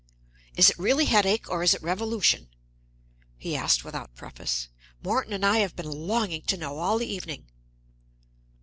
"Is it really headache, or is it revolution?" he asked without preface. "Morton and I have been longing to know, all the evening."